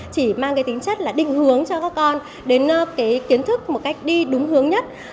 chỉ mang cái tính chất là định hướng cho các con đến cái kiến thức một cách đi đúng hướng nhất